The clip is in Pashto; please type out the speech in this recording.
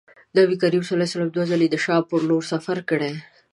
نبي کریم دوه ځلي د شام پر لوري سفر کړی.